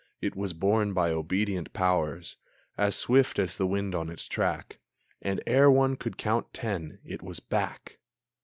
It was borne by obedient Powers, As swift as the wind on its track, And ere one could count ten it was back!